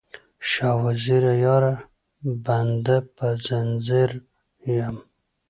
شاه وزیره یاره، بنده په ځنځیر یم